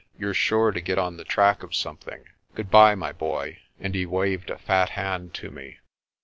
You're sure to get on the track of something. Good bye, my boy," and he waved a fat hand to me.